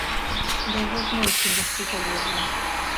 Да яго зноўку нешта залезла.